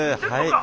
はい！